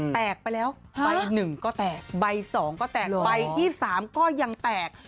แตกไปแล้วใบหนึ่งก็แตกใบ๒ก็แตกใบที่๓ก็ยังแตก